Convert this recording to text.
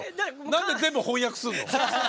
何で全部翻訳するの？